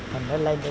thì nó lên đây mua